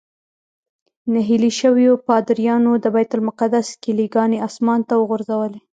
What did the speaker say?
نهیلي شویو پادریانو د بیت المقدس کیلي ګانې اسمان ته وغورځولې.